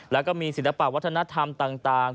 แล้วก็มีศิลปะวัฒนธรรมต่าง